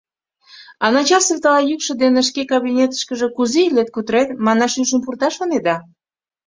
А начальство тыгай йӱк дене шке кабинетышкыже «кузе илет, кутырет» манаш ӱжын пурта, шонеда?